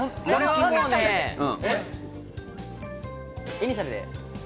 イニシャルで。